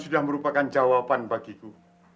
saya cita cita son but pertanyaannya mata saya